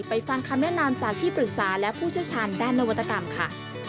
ฟังคำแนะนำจากที่ปรึกษาและผู้เชี่ยวชาญด้านนวัตกรรมค่ะ